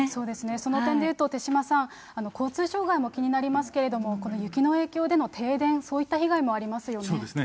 その点で言うと、手嶋さん、交通障害も気になりますけれども、この雪の影響での停電、そうですね。